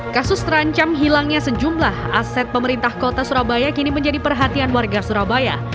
kasus terancam hilangnya sejumlah aset pemerintah kota surabaya kini menjadi perhatian warga surabaya